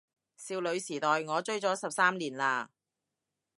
少女時代我追咗十三年喇